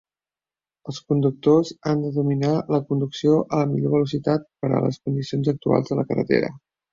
Els conductors han de dominar la conducció a la millor velocitat per a les condicions actuals de la carretera.